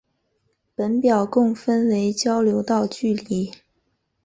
本表共分为交流道距离。